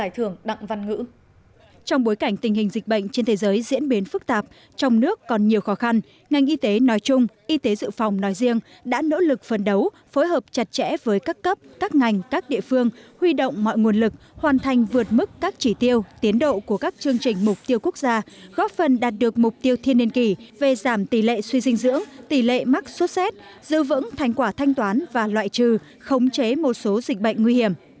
trong bối cảnh tình hình dịch bệnh trên thế giới diễn biến phức tạp trong nước còn nhiều khó khăn ngành y tế nói chung y tế dự phòng nói riêng đã nỗ lực phân đấu phối hợp chặt chẽ với các cấp các ngành các địa phương huy động mọi nguồn lực hoàn thành vượt mức các chỉ tiêu tiến độ của các chương trình mục tiêu quốc gia góp phần đạt được mục tiêu thiên niên kỷ về giảm tỷ lệ suy dinh dưỡng tỷ lệ mắc xuất xét giữ vững thành quả thanh toán và loại trừ khống chế một số dịch bệnh nguy hiểm